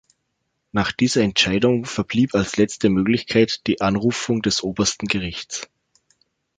Nach dieser Entscheidung verblieb als letzte Möglichkeit die Anrufung des Obersten Gerichts.